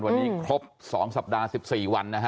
วันนี้ครบ๒สัปดาห์๑๔วันนะฮะ